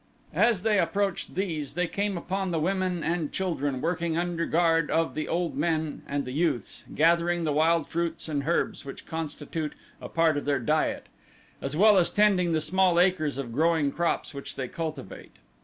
As they approached these they came upon the women and children working under guard of the old men and the youths gathering the wild fruits and herbs which constitute a part of their diet, as well as tending the small acres of growing crops which they cultivate.